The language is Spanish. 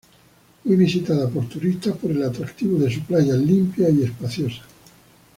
Muy visitada por turistas por el atractivo de su playa limpia y espaciosa.